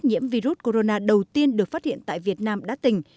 nhiễm virus corona đầu tiên được phát hiện tại việt nam đã tỉnh